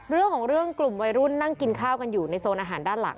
เรื่องของเรื่องกลุ่มวัยรุ่นนั่งกินข้าวกันอยู่ในโซนอาหารด้านหลัง